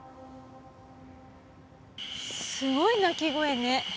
すごい鳴き声ね。